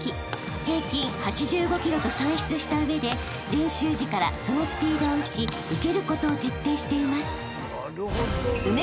［平均８５キロと算出した上で練習時からそのスピードを打ち受けることを徹底しています］